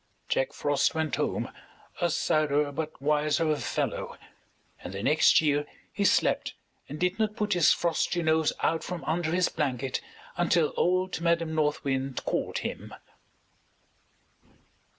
Jack Frost went home a sadder but wiser fellow and the next year he slept and did not put his frosty nose out from under his blanket until old Madam North Wind called him.